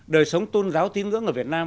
đời sống tôn giáo tiếng ngưỡng ở việt nam